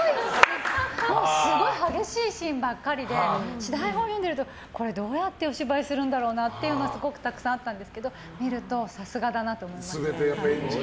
すごい激しいシーンばっかりで台本を見てると、どうやってお芝居するんだろうなっていうのがすごくたくさんあったんですけど見ると、さすがだなと思いました。